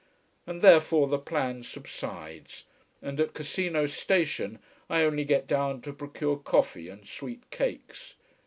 And therefore the plan subsides, and at Cassino station I only get down to procure coffee and sweet cakes.